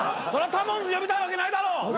タモンズ呼びたいわけないだろ！